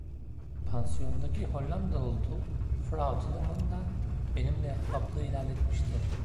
Pansiyondaki Hollandalı dul Frau Tiedemann da benimle ahbaplığı ilerletmişti.